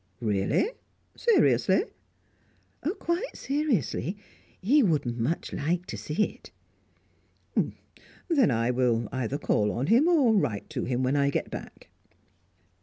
"Really? Seriously?" "Quite seriously. He would much like to see it." "Then I will either call on him, or write to him, when I get back."